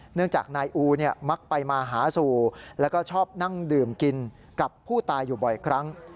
เนื่องจากนายอูเนี่ยมักไปมาหาสู่แล้วก็ชอบนั่งดื่มกินกับผู้ตายอยู่บ่อยครั้ง